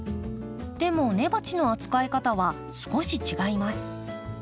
でも根鉢の扱い方は少し違います。